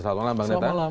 selamat malam bang neta